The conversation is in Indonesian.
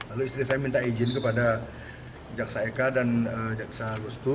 lalu istri saya minta izin kepada jaksa eka dan jaksa gustu